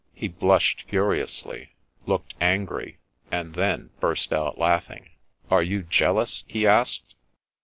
He blushed furiously, looked angry, and then burst out laughing. '' Are you jealous ?" he asked.